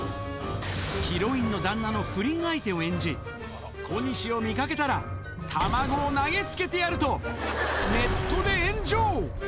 ヒロインの旦那の不倫相手を演じ、小西を見かけたら、卵を投げつけてやると、ネットで炎上。